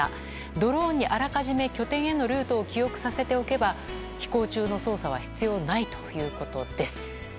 ドローンに、あらかじめ拠点へのルートを記憶させておけば飛行中の操作は必要ないということです。